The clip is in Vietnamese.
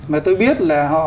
mà tôi biết là họ